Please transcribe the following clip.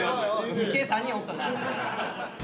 海系３人おったな。